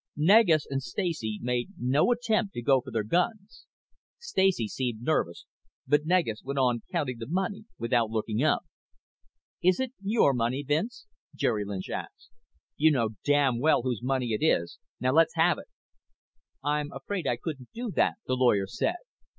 Negus and Stacy made no attempt to go for their guns, Stacy seemed nervous but Negus went on counting the money without looking up. "Is it your money, Vince?" Jerry Lynch asked. "You know damn well whose money it is. Now let's have it." "I'm afraid I couldn't do that," the lawyer said.